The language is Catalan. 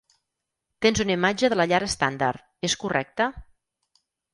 Tens una imatge de la llar estàndard, és correcte?